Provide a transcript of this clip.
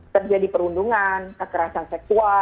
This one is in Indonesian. terjadi perundungan kekerasan seksual